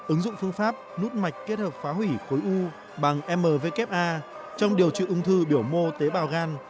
ứng dụng phương pháp nút mạch kết hợp phá hủy khối u bằng mw trong điều trị ung thư biểu mô tế bào gan